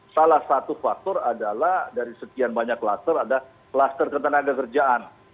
salah satu faktor adalah dari sekian banyak klaster ada klaster ketenagakerjaan